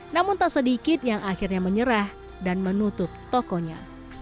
namun tak sedikit yang akhirnya menyerah dan menutup tokonya